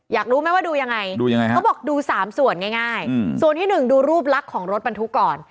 อยากรู้ไหมว่าดูยังไงดูยังไงเขาบอกดู๓ส่วนง่ายส่วนที่หนึ่งดูรูปลักษณ์ของรถบรรทุกก่อน